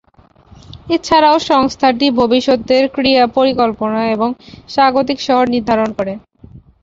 এছাড়াও সংস্থাটি ভবিষ্যতের ক্রীড়া পরিকল্পনা এবং স্বাগতিক শহর নির্ধারণ করে।